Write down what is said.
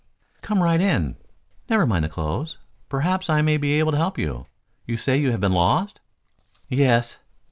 "Come right in. Never mind the clothes. Perhaps I may be able to help you. You say you have been lost?" "Yes."